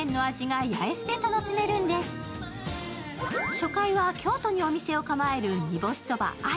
初回は京都にお店を構える煮干そば藍。